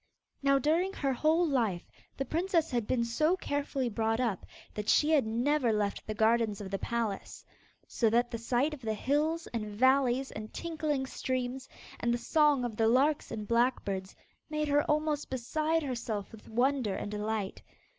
Now during her whole life, the princess had been so carefully brought up, that she had never left the gardens of the palace, so that the sight of the hills and valleys and tinkling streams, and the song of the larks and blackbirds, made her almost beside herself with wonder and delight.